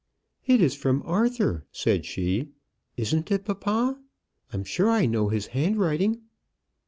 "It is from Arthur," said she; "isn't it, papa? I'm sure I know his handwriting."